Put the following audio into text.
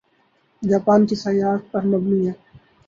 Japan کی سیاحت پر مبنی ہے